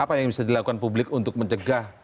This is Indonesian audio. apa yang bisa dilakukan publik untuk mencegah